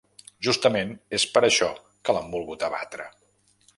Justament és per això que l’han volgut abatre.